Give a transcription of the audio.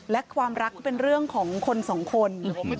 และความรักก็เป็นเรื่องของคนสองคน